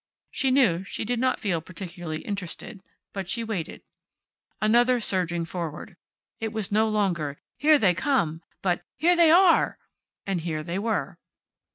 She knew she did not feel particularly interested. But she waited. Another surging forward. It was no longer, "Here they come!" but, "Here they are!" And here they were.